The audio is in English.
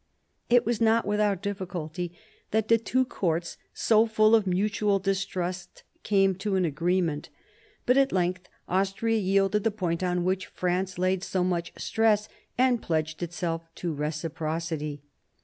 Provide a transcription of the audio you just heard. It was not without difficulty that the two courts, so full of mutual mistrust, came to an agreement. But at 110 MARIA THERESA ohap. v length Austria yielded the point on which France laid so much stress and pledged itself to reciprocity.